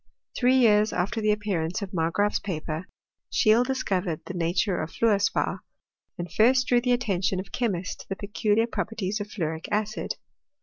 Three years after the appear ance of Margraaf's paper, Scheele discovered the nature of fluor spar, and first drew the attention of chemists to the peculiar properties of fluoric acid.